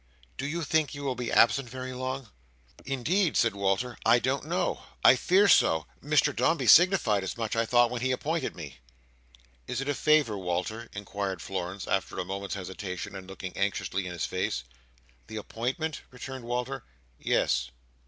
Do you think you will be absent very long?" "Indeed," said Walter, "I don't know. I fear so. Mr Dombey signified as much, I thought, when he appointed me." "Is it a favour, Walter?" inquired Florence, after a moment's hesitation, and looking anxiously in his face. "The appointment?" returned Walter. "Yes."